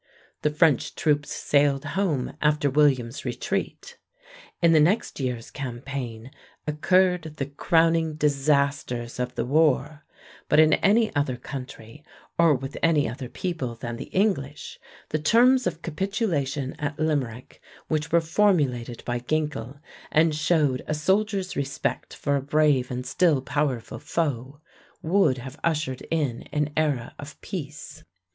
The French troops sailed home after William's retreat. In the next year's campaign occurred the crowning disasters of the war, but in any other country or with any other people than the English the terms of capitulation at Limerick, which were formulated by Ginkel and showed a soldier's respect for a brave and still powerful foe, would have ushered in an era of peace.